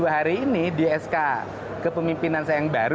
dua hari ini di sk kepemimpinan saya yang baru